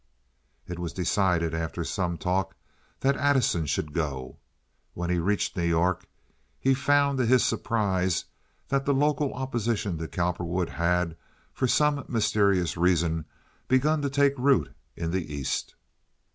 It was decided, after some talk, that Addison should go. When he reached New York he found, to his surprise, that the local opposition to Cowperwood had, for some mysterious reason, begun to take root in the East.